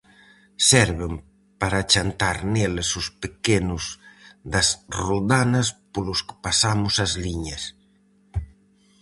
Serven para chantar neles os pequenos das roldanas polos que pasamos as liñas.